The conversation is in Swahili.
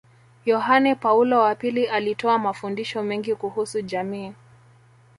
Yohane Paulo wa pili alitoa mafundisho mengi kuhusu jamii